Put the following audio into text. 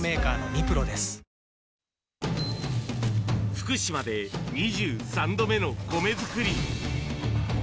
福島で２３度目の米作り。